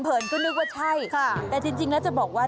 เินก็นึกว่าใช่แต่จริงแล้วจะบอกว่า